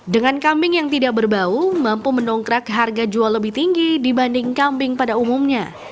dengan kambing yang tidak berbau mampu mendongkrak harga jual lebih tinggi dibanding kambing pada umumnya